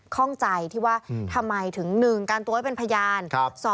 ข้องใจที่ว่าทำไมถึง๑การตัวไว้เป็นพยาน